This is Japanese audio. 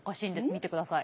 見てください。